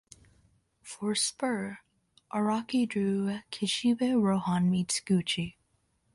For "Spur", Araki drew "Kishibe Rohan meets Gucci.